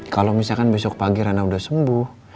kalau misalkan besok pagi rana udah sembuh